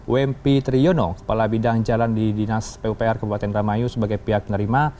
wempy triyono kepala bidang jalan di dinas pupr kabupaten indra mayu sebagai pihak penerima